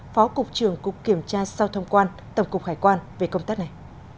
phó cục trưởng cục kiểm tra sau thông quan tổng cục hải quan về công tác này